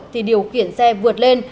thì điều khiển xe vượt lên